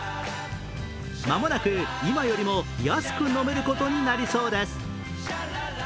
間もなく今よりも安く飲めることになりそうです。